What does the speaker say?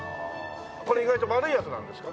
これ意外と悪いヤツなんですか？